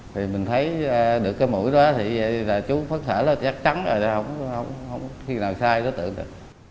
thì mình thấy được cái mũi đó thì là chú phát sở nó chắc chắn rồi không không không khi nào sai nó tưởng được